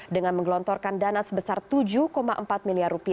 dengan menggelontorkan dana sebesar rp tujuh empat miliar